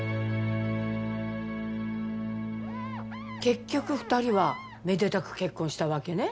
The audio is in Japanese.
結局２人はめでたく結婚したわけね？